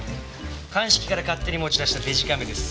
鑑識から勝手に持ち出したデジカメです。